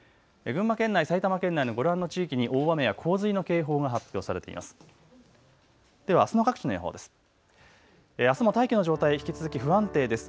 群馬県内、埼玉県内のご覧の地域に大雨や洪水の警報が発表されています。